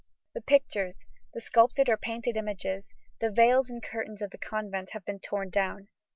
The pictures, the sculptured or painted images, the veils and curtains of the convent, have been torn down.